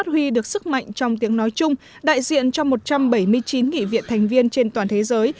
huy được sức mạnh trong tiếng nói chung đại diện cho một trăm bảy mươi chín nghị viện thành viên trên toàn thế giới